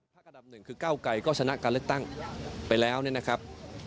อันดับหนึ่งคือเก้าไกรก็ชนะการเลือกตั้งไปแล้วเนี่ยนะครับ